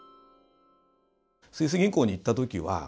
スイス銀行に行った時は。